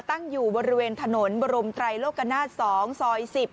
ตั้งอยู่บริเวณถนนบรมไตรโลกนาศ๒ซอย๑๐